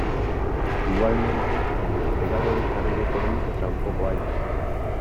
Igualmente, el esperado desarrollo económico tampoco ha llegado.